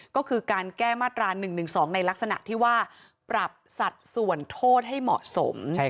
ก็คือการแก้มาตรา๑๑๒ในลักษณะที่ว่าปรับสัดส่วนโทษให้เหมาะสม